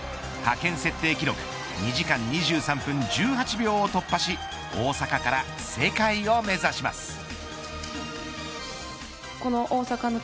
派遣設定記録２時間２３分１８秒を突破し大阪から世界を目指します。